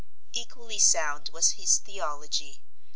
Equally sound was his theology.